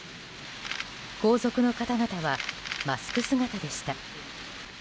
皇族の方々はマスク姿でした。